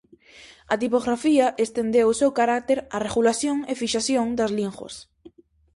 A tipografía estendeu o seu carácter á regulación e fixación das linguas.